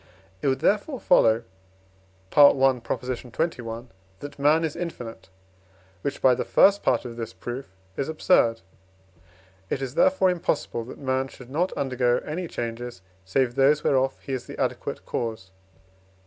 It would therefore follow (I. xxi.) that man is infinite, which (by the first part of this proof) is absurd. It is, therefore, impossible, that man should not undergo any changes save those whereof he is the adequate cause.